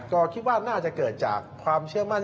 ก็คิดว่าน่าจะเกิดจากความเชื่อมั่น